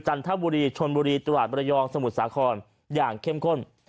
จันทบุรีชนบุรีตราชบรยองสมุทรสาครอย่างเข้มข้น